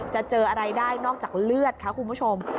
เจออะไรได้นอกจากเลือดค่ะคุณผู้ชม